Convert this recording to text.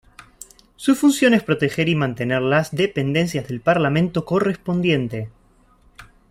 Su función es proteger y mantener las dependencias del parlamento correspondiente.